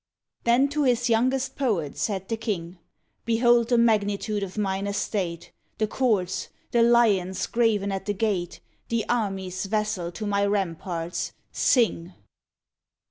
Then to his youngest poet said the king, " Behold the magnitude of mine estate! The courts, the lions graven at the gate, The armies vassal to my ramparts! Sing!